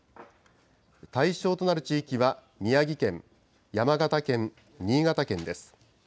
対象となる地域は宮城県、山形県、新潟県です。